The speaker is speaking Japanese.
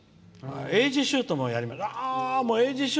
エージシュートもやります。